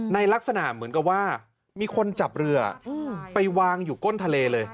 ลักษณะเหมือนกับว่ามีคนจับเรือไปวางอยู่ก้นทะเลเลย